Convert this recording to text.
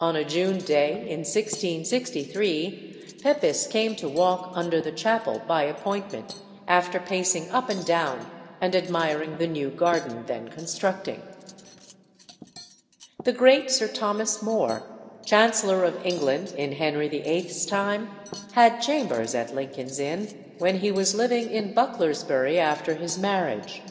On a June day in 1663 Pepys came to walk under the chapel by appointment, after pacing up and down and admiring the new garden then constructing. The great Sir Thomas More, Chancellor of England in Henry VIII.'s time, had chambers at Lincoln's Inn when he was living in Bucklersbury after his marriage.